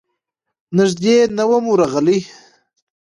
نږدې نه وم ورغلی.